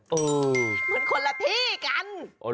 เหมือนคนละที่กัน